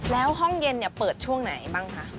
แล้วห้องเย็นเปิดช่วงไหนบ้างคะ